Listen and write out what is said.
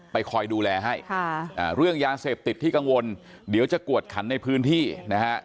คอยดูแลให้เรื่องยาเสพติดที่กังวลเดี๋ยวจะกวดขันในพื้นที่นะฮะ